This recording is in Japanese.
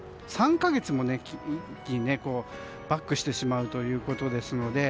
３か月もバックしてしまうということなので。